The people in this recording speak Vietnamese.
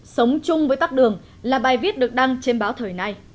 sống chung với tắt đường là bài viết được đăng trên báo thời nay